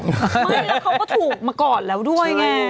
ไม่แล้วเขาก็ถูกมาก่อนแล้วด้วยไง